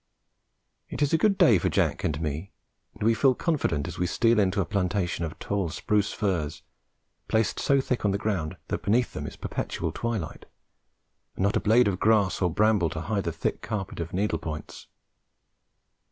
It is a good day for Jack and me, and we feel confident as we steal into a plantation of tall spruce firs, placed so thick on the ground that beneath them is perpetual twilight, and not a blade of grass or bramble to hide the thick carpet of needle points.